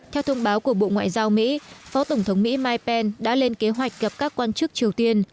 theo thông báo của bộ ngoại giao mỹ phó tổng thống mỹ mike pen đã lên kế hoạch gặp các quan chức triều tiên